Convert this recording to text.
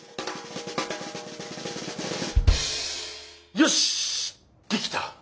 よしできた。